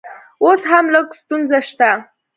اوس هم لږ ستونزه شته